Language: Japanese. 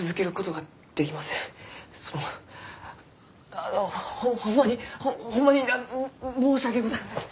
そのあのホホンマにホンマに申し訳ございません。